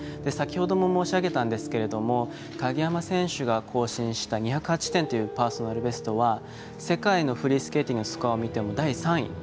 先ほども申し上げたんですけれども鍵山選手が更新した２０８点というパーソナルベストは世界のフリースケーティングのスコアを見ても第３位。